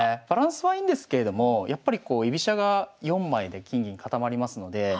バランスはいいんですけれどもやっぱりこう居飛車が４枚で金銀固まりますので。